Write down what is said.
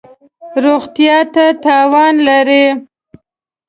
روغتیا ته تاوان لری